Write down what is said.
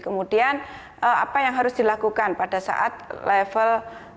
kemudian apa yang harus dilakukan pada saat level